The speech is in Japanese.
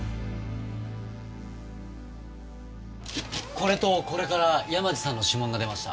これとこれから山路さんの指紋が出ました。